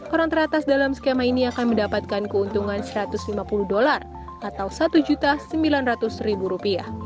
orang teratas dalam skema ini akan mendapatkan keuntungan rp satu ratus lima puluh dolar atau rp satu sembilan ratus